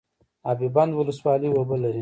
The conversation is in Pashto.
اب بند ولسوالۍ اوبه لري؟